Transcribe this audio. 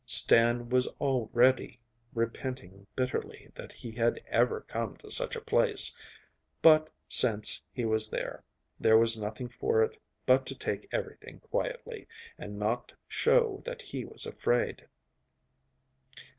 Stan was already repenting bitterly that he had ever come to such a place, but, since he was there, there was nothing for it but to take everything quietly, and not show that he was afraid.